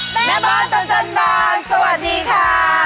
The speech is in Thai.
แม่บอร์ดปัจจันทร์บางสวัสดีค่ะ